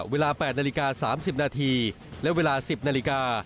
เวลา๘นาฬิกา๓๐นาทีและเวลา๑๐นาฬิกา